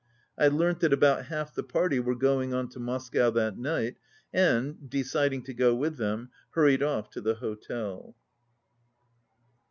I learnt that about half the party were going on to Mos cow that night and, deciding to go with them, hurried off to the hotel.